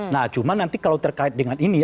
nah cuma nanti kalau terkait dengan ini